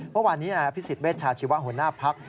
เมื่อวานนี้นายอภิษฎเวชาชีวะหัวหน้าพัก